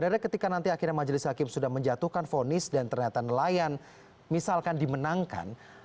yang menjatuhkan vonis dan ternyata nelayan misalkan dimenangkan